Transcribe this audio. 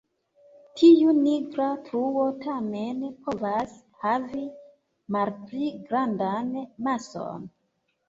Tiu nigra truo tamen povas havi malpli grandan mason.